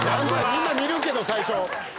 みんな見るけど最初。